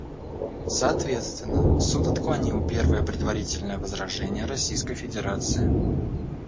Соответственно, Суд отклонил первое предварительное возражение Российской Федерации.